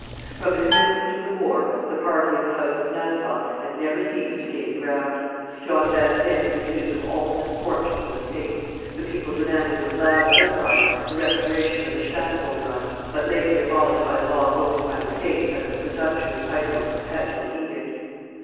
From the commencement of the war, the party of the house of Nassau had never ceased to gain ground. John van Witt was accused of all the misfortunes of the state; the people demanded with loud outcries the restoration of the stadtholderate, but lately abolished by a law voted by the States under the presumptuous title of perpetual edict.